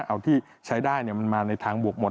เอาที่ใช้ได้มันมาในทางบวกหมด